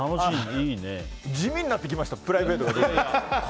地味になってきましたプライベートが。